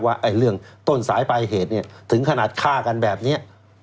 ว่าเรื่องต้นสายปลายเหตุเนี่ยถึงขนาดฆ่ากันแบบนี้